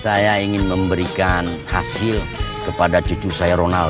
saya ingin memberikan hasil kepada cucu saya ronald